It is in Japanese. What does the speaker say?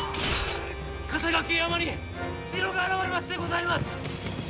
笠懸山に城が現れましてございます！